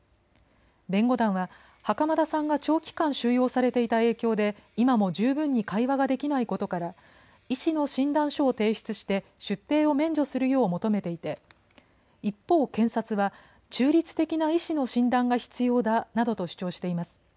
弁護団は袴田さんが長期間収容されていた影響で今も十分に会話ができないことから医師の診断書を提出して出廷を免除するよう求めていて一方、検察は中立的な医師の診断が必要だなどと主張しています。